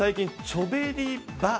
チョベリバ？